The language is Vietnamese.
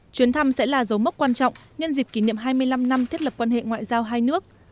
chuyến thăm sẽ là dấu mốc quan trọng nhân dịp kỷ niệm hai mươi năm năm thiết lập quan hệ ngoại giao hai nước